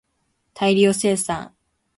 大量生産